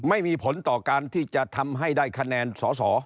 ไม่มีผลต่อการที่จะทำให้ได้คะแนนสอสอ